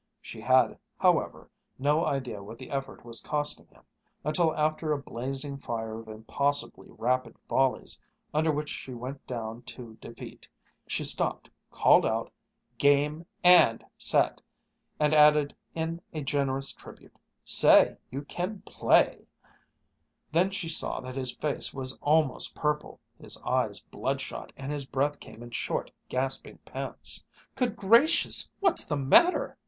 She had, however, no idea what the effort was costing him, until after a blazing fire of impossibly rapid volleys under which she went down to defeat, she stopped, called out, "Game and set!" and added in a generous tribute, "Say, you can play!" Then she saw that his face was almost purple, his eyes bloodshot, and his breath came in short, gasping pants. "Good gracious, what's the matter!"